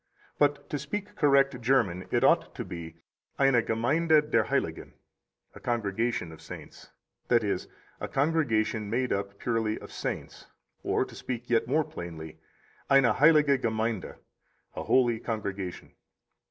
But to speak correct German, it ought to be eine Gemeinde der Heiligen (a congregation of saints), that is, a congregation made up purely of saints, or, to speak yet more plainly, eine heilige Gemeinde, a holy congregation.